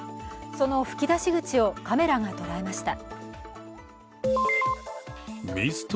その噴き出し口をカメラが捉えました。